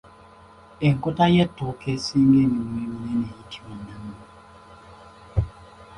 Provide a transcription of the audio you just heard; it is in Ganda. Enkota y’Ettooke esinza eminwe eminene eyitibwa Namunwe.